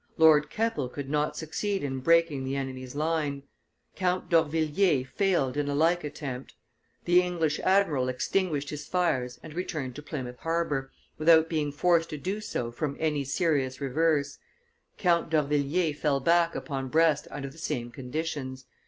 Lord Keppel could not succeed in breaking the enemy's line; Count d'Orvilliers failed in a like attempt. The English admiral extinguished his fires and returned to Plymouth harbor, without being forced to do so from any serious reverse; Count d'Orvilliers fell back upon Brest under the same conditions.